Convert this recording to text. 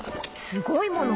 すごいもの？